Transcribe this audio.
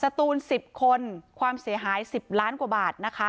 ตูน๑๐คนความเสียหาย๑๐ล้านกว่าบาทนะคะ